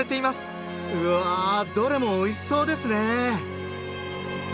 うわどれもおいしそうですね！